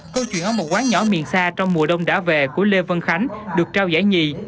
câu chuyện ở một quán nhỏ miền xa trong mùa đông đã về của lê vân khánh được trao giải nhì